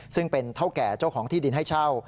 ซึ่งเป็นเท่าแก่เจ้าของที่ดินให้เช่า